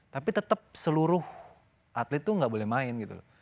tapi tetep seluruh atlet tuh gak boleh main gitu loh